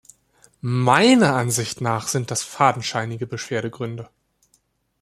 Meiner Ansicht nach sind das fadenscheinige Beschwerdegründe.